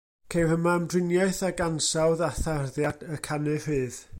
Ceir yma ymdriniaeth ag ansawdd a tharddiad y canu rhydd.